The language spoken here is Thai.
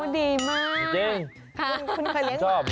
ดีมากจริงค่ะคุณเคยเลี้ยงหมา